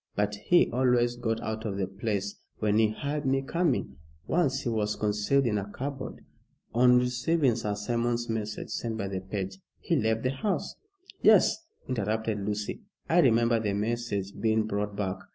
But he always got out of the place when he heard me coming. Once he was concealed in a cupboard. On receiving Sir Simon's message sent by the page, he left the house " "Yes," interrupted Lucy. "I remember the message being brought back."